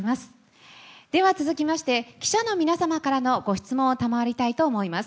続きまして記者の皆様からのご質問を賜りたいと思います。